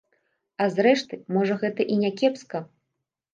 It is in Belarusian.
А, зрэшты, можа, гэта і някепска.